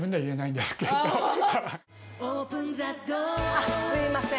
あっすいません。